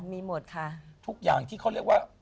มีหมดค่ะทุกอย่างที่เขาเรียกว่า